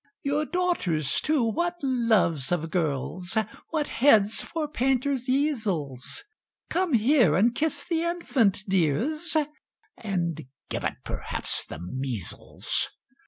"Your daughters, too, what loves of girls What heads for painters' easels! Come here and kiss the infant, dears (And give it p'rhaps the measles!)